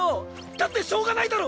だってしょうがないだろ！